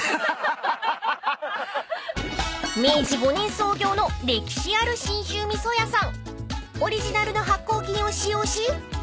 ［明治５年創業の歴史ある信州味噌屋さん］